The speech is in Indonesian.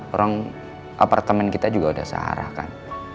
orang apartemen kita juga sudah searah kan